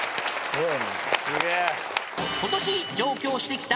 すげえ。